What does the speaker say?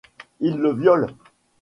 Ils le violent.